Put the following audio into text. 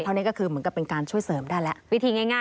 เท่านี้ก็คือเหมือนกันเป็นการช่วยเสริมได้แล้ว